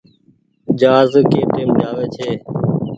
جهآز ڪي ٽيم جآوي ڇي۔